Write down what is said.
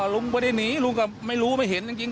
ลุงไม่ได้หนีลุงก็ไม่รู้ไม่เห็นจริง